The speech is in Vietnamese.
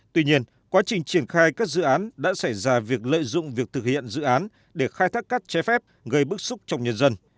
tuy nhiên quá trình triển khai các dự án đã xảy ra việc lợi dụng việc thực hiện dự án để khai thác cát trái phép gây bức xúc trong nhân dân